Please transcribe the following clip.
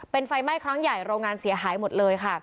เป็นไฟไหม้ครั้งใหญ่โรงงานเสียหายหมดเลยค่ะ